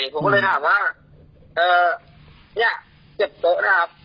ผมก็เลยถามว่าเนี่ยเก็บโต๊ะนะครับ